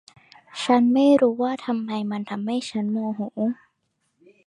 ฉันไม่รู้ว่าทำไมมันทำให้ฉันโมโห